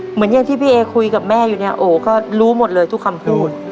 เหมือนอย่างที่พี่เอคุยกับแม่อยู่เนี่ยโอก็รู้หมดเลยทุกคำพูด